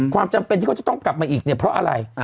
ความจำเป็นที่เขาจะต้องกลับมาอีกเนี่ยเพราะอะไร